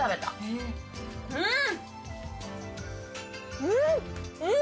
うん！